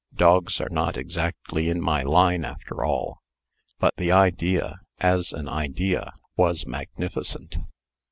Dogs are not exactly in my line, after all. But the idea, as an idea, was magnificent."